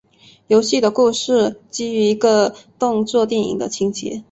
游戏的故事基于一个动作电影的情节。